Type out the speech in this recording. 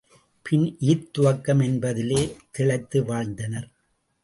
பின் ஈத் துவக்கும் இன்பத்திலே திளைத்து வாழ்ந்தனர்.